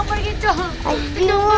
pak icao jangan pergi dong